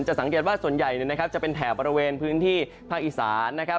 จะสังเกตว่าส่วนใหญ่จะเป็นแถวบริเวณพื้นที่ภาคอีสาน